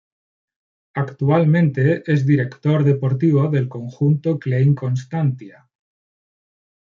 Actualmente es director deportivo del conjunto Klein Constantia.